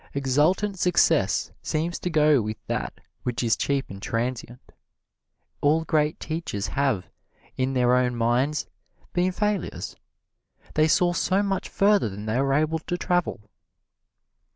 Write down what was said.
Exultant success seems to go with that which is cheap and transient. All great teachers have, in their own minds, been failures they saw so much further than they were able to travel.